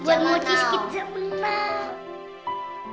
buat mucis kita benar